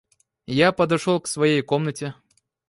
Я подошел к своей комнате.